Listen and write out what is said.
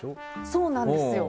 そうなんですよ。